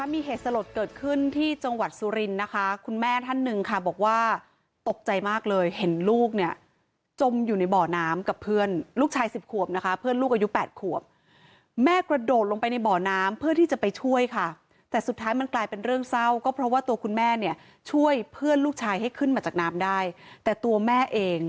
มีเหตุสลดเกิดขึ้นที่จังหวัดสุรินทร์นะคะคุณแม่ท่านหนึ่งค่ะบอกว่าตกใจมากเลยเห็นลูกเนี่ยจมอยู่ในบ่อน้ำกับเพื่อนลูกชายสิบขวบนะคะเพื่อนลูกอายุ๘ขวบแม่กระโดดลงไปในบ่อน้ำเพื่อที่จะไปช่วยค่ะแต่สุดท้ายมันกลายเป็นเรื่องเศร้าก็เพราะว่าตัวคุณแม่เนี่ยช่วยเพื่อนลูกชายให้ขึ้นมาจากน้ำได้แต่ตัวแม่เอง